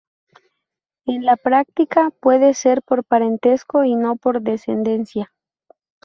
En la práctica, puede ser por parentesco y no por descendencia.